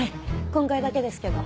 今回だけですけど。